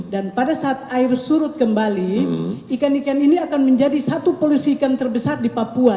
dan pada saat air surut kembali ikan ikan ini akan menjadi satu polusi ikan terbesar di papua